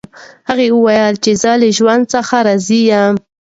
هغه وویل چې زه له خپل ژوند څخه راضي یم.